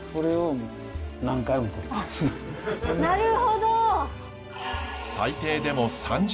なるほど。